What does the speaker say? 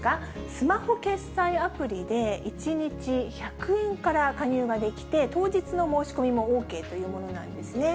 スマホ決済アプリで１日１００円から加入ができて、当日の申し込みもＯＫというものなんですね。